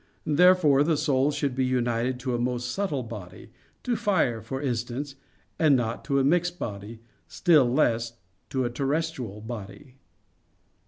Therefore the soul should be united to a most subtle body, to fire, for instance, and not to a mixed body, still less to a terrestrial body.